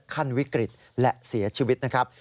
ขั้นวิกฤตและเสียชีวิตนะครับ